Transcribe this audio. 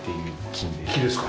木ですか。